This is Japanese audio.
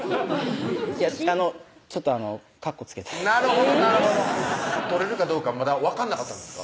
いやあのちょっとカッコつけたなるほどなるほど撮れるかどうかまだ分かんなかったんですか？